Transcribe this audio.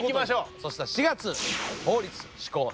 そしたら４月法律施行で。